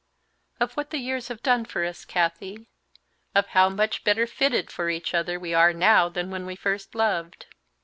"Of what the years have done for us, Kathie; of how much better fitted for each other we are now than when we first loved."